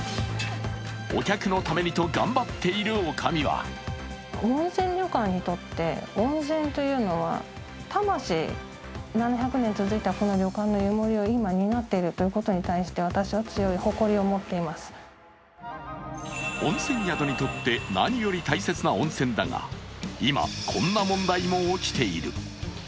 お客のためにと頑張っている女将は温泉宿にとって何より大切な温泉だが、今、こんな問題も起きている。